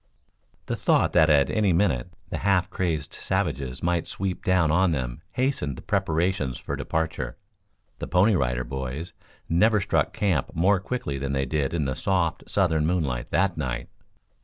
The thought, that at any minute the half crazed savages might sweep down on them hastened the preparations for departure. The Pony Rider Boys never struck camp more quickly than they did in the soft southern moonlight that night.